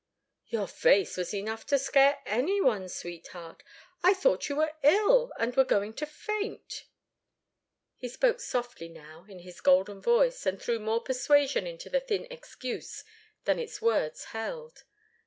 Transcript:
"Your face was enough to scare any one, sweetheart. I thought you were ill and were going to faint." He spoke softly now, in his golden voice, and threw more persuasion into the thin excuse than its words held.